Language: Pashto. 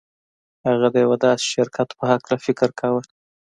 هغه د یوه داسې شرکت په هکله فکر کاوه